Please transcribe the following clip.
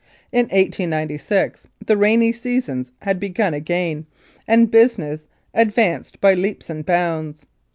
In 1896 the rainy seasons had begun again and business advanced by leaps and bounds.